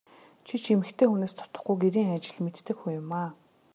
Чи ч эмэгтэй хүнээс дутахгүй гэрийн ажил мэддэг хүн юмаа.